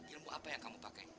ilmu apa yang kamu pakai